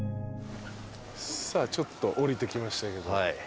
さあちょっと下りてきましたけど。